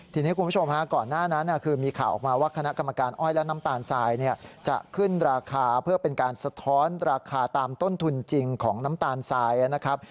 ทีนี้คุณผู้ชมฮะก่อนหน้านั้นคือมีข่าวออกมาว่าคณะกรรมการอ้อยและน้ำตาลทรายเนี่ยจะขึ้นราคาเพื่อเป็นการสะท้อนราคาตามต้นทุนจริงของน้ำตาลทรายนะครับ